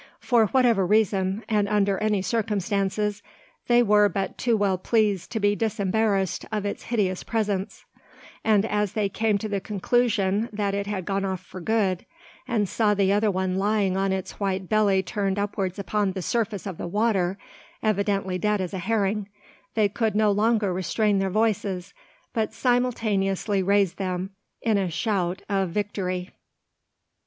For whatever reason, and under any circumstances, they were but too well pleased to be disembarrassed of its hideous presence; and as they came to the conclusion that it had gone off for good, and saw the other one lying with its white belly turned upwards upon the surface of the water evidently dead as a herring they could no longer restrain their voices, but simultaneously raised them in a shout of victory.